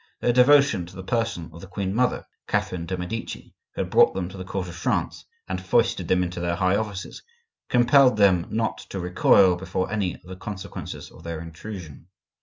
Their devotion to the person of the queen mother, Catherine de' Medici—who had brought them to the court of France and foisted them into their high offices—compelled them not to recoil before any of the consequences of their intrusion.